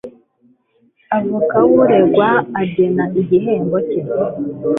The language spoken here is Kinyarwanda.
Avoka w uregwa agena igihembo cye